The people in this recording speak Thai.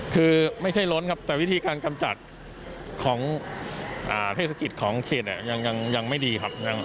คือไม่ใช่ล้นครับแต่วิธีการกำจัดของเทศกิจของเขตยังไม่ดีครับ